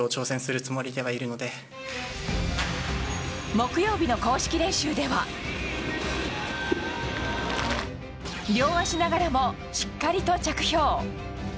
木曜日の公式練習では両足ながらもしっかりと着氷。